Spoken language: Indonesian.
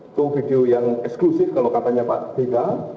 itu video yang eksklusif kalau katanya pak beka